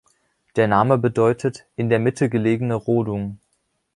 Der Name bedeutet „in der Mitte gelegene Rodung“.